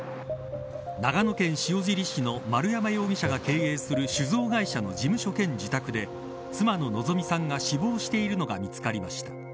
長野県塩尻市の丸山容疑者が経営する酒造会社の事務所兼自宅で妻の希美さんが死亡しているのが見つかりました。